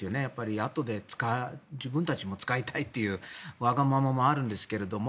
あとで自分たちも使いたいというわがままもあるんですけど。